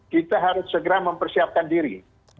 kita harus segera mempersiapkan diri